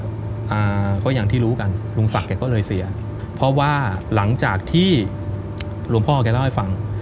อ่าก็อย่างที่รู้กันลุงศักดิ์ก็เลยเสียเพราะว่าหลังจากที่หลวงพ่อแกเล่าให้ฟัง